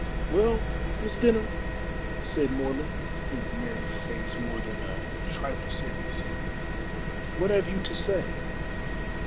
"Well, Miss Denham," said Morley, his merry face more than a trifle serious, "what have you to say?"